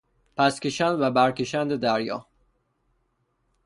پسکشند و برکشند دریا